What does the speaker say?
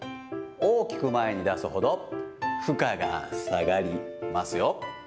大きく前に出すほど、負荷が下がりますよ。